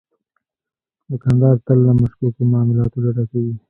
دوکاندار تل له مشکوکو معاملاتو ډډه کوي.